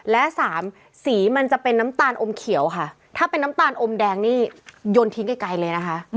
และสามสีมันจะเป็นน้ำตาลอมเขียวค่ะถ้าเป็นน้ำตาลอมแดงนี่โยนทิ้งไกลเลยนะคะ